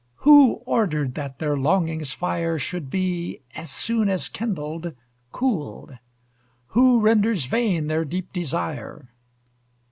Who ordered that their longing's fire Should be, as soon as kindled, cooled? Who renders vain their deep desire?